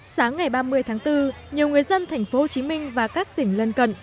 sáng ngày ba mươi tháng bốn nhiều người dân thành phố hồ chí minh và các tỉnh lân cận